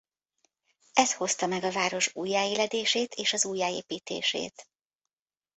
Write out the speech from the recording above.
Ez hozta hozta meg a város újjáéledését és az újjáépítését.